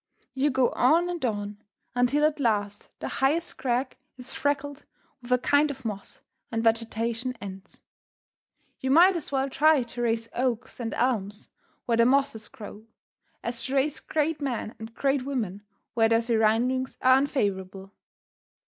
You go on and on, until at last the highest crag is freckled with a kind of moss, and vegetation ends. You might as well try to raise oaks and elms where the mosses grow, as to raise great men and great women where their surroundings are unfavorable.